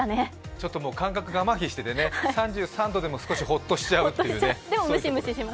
ちょっともう、感覚がまひしててね、３３度でも少しホッとしちゃうというね。